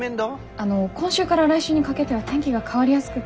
あの今週から来週にかけては天気が変わりやすくて。